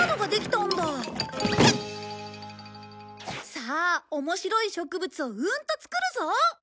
さあ面白い植物をうんと作るぞ！